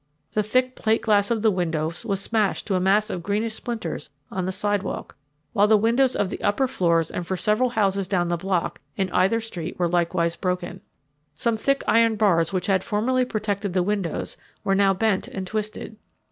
The thick plate glass of the windows was smashed to a mass of greenish splinters on the sidewalk, while the windows of the upper floors and for several houses down the block in either street were likewise broken. Some thick iron bars which had formerly protected the windows were now bent and twisted.